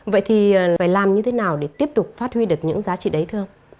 vậy thì phải làm như thế nào để tiếp tục phát huy được những giá trị đấy thưa ông